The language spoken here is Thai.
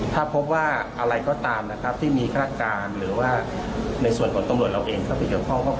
ถ้าพบว่าอะไรก็ตามนะครับที่มีฆาตการหรือว่าในส่วนของตำรวจเราเองเข้าไปเกี่ยวข้อง